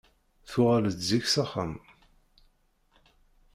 Tuɣal-d zik s axxam.